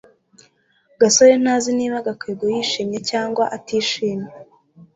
gasore ntazi niba gakwego yishimye cyangwa atishimye